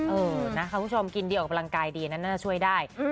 เออนะครับผู้ชมกินดีออกกำลังกายดีนะน่าจะช่วยได้